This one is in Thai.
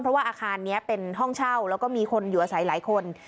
เพราะว่าอาคารนี้เป็นห้องเช่าแล้วก็มีคนอยู่อาศัยหลายคน